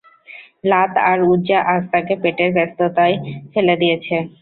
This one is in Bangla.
লাত আর উজ্জা আজ তাকে পেটের ব্যস্ততায় ফেলে দিয়েছে।